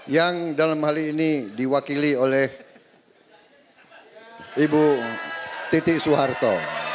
yang dalam hal ini diwakili oleh ibu titi soeharto